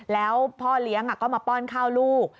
แล้วพ่อเลี้ยงก็มาป้อนข้าวลูก